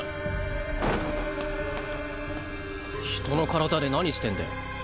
人の体で何してんだよ。